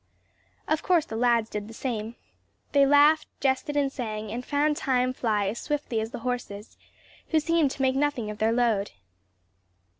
Of course the lads did the same. They laughed, jested and sang, and found time fly as swiftly as the horses; who seemed to make nothing of their load.